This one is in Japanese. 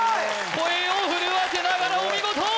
声を震わせながらお見事！